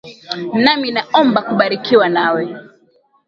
Nami naomba kubarikiwa nawe.